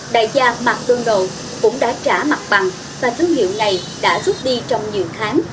đại gia mcdonald cũng đã trả mặt bằng và thương hiệu này đã rút đi trong nhiều tháng